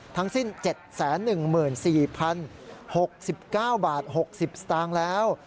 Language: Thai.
ทั้งสิ้น๗๑๔๐๖๙บาท๖๐สตางค์แล้ว